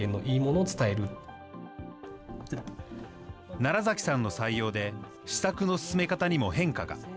楢崎さんの採用で、施策の進め方にも変化が。